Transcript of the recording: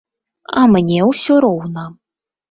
А мне ўсё роўна.